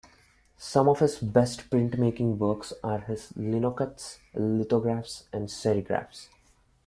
Some of his best printmaking works are his linocuts, lithographs and serigraphs.